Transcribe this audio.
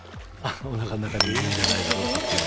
お腹の中にいるんじゃないだろうか。